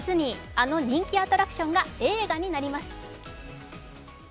あの人気アトラクションが映画になります。